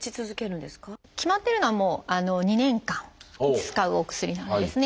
決まってるのは２年間使うお薬なんですね。